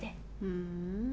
ふん。